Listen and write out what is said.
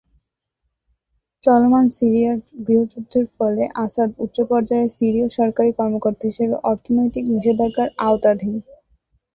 চলমান সিরিয়ার গৃহযুদ্ধের ফলে, আসাদ উচ্চ পর্যায়ের সিরীয় সরকারী কর্মকর্তা হিসেবে অর্থনৈতিক নিষেধাজ্ঞার আওতাধীন।